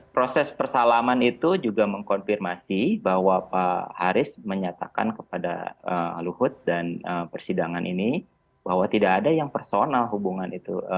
proses persalaman itu juga mengkonfirmasi bahwa pak haris menyatakan kepada luhut dan persidangan ini bahwa tidak ada yang personal hubungan itu